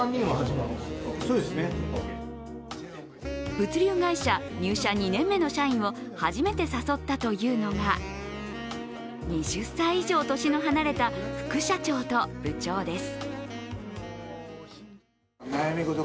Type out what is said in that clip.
物流会社、入社２年目の社員を初めて誘ったというのが２０歳以上年の離れた副社長と部長です。